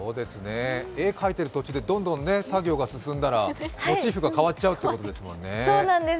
絵を描いてる途中でどんどん作業が進んだらモチーフが変わっちゃうということですもんね。